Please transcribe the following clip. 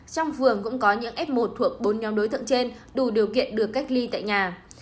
trong phường cũng có những f một thuộc bốn nhóm đối tượng trên đủ điều kiện được cách ly tại nhà